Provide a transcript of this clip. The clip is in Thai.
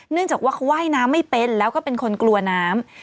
จากว่าเขาว่ายน้ำไม่เป็นแล้วก็เป็นคนกลัวน้ำ